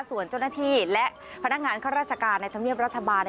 ส่วนเจ้าหน้าที่และพนักงานข้าราชการในธรรมเนียบรัฐบาล